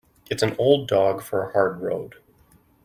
It's an old dog for a hard road.